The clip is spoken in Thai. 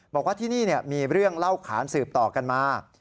บอกว่าที่นี่มีเรื่องเล่าขานสืบต่อกันมา